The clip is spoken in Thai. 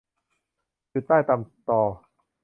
จุดไต้ตำตอ